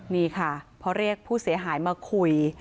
นี่ค่ะพอเรียกผู้เสียหายมาคุย